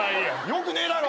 よくねえだろ。